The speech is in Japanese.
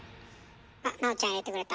あっ南朋ちゃん入れてくれた。